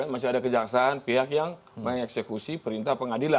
masih ada kejaksaan pihak yang mengeksekusi perintah pengadilan